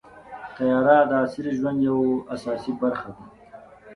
طیاره د عصري ژوند یوه اساسي برخه ده.